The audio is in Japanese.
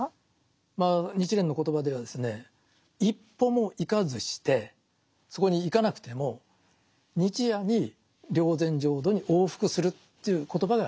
日蓮の言葉ではですね一歩も行かずしてそこに行かなくても日夜に霊山浄土に往復するという言葉が使われてますね。